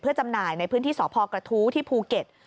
จำหน่ายในพื้นที่สพกระทู้ที่ภูเก็ต